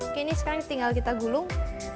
oke ini sekarang tinggal kita gulung